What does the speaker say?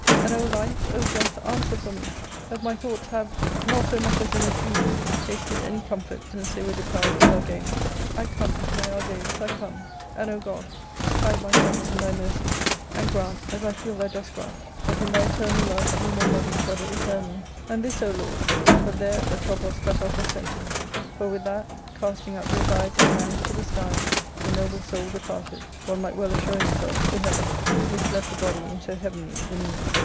And, O life, O death, answer for me, that my thoughts have, not so much as in a dream, tasted any comfort since they were deprived of Argalus. I come, my Argalus, I come ! And, O God, hide my faults in thy mercies, and ARCADIA,— Book III. 321 grant, as I feel thou dost g^ant, tha:t in thy eternal love we may love each other eternally. And this, O Lord ," but there Atropos cut off her sentence ; for with that, casting up both eyes and hands to the skies, the noble soul departed, one might well assure himself, to heaven, which left the body in so heavenly a demeanour.